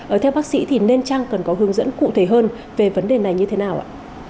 ở theo bác sĩ thì nên trang cần có hướng dẫn cụ thể hơn về vấn đề này như thế nào ạ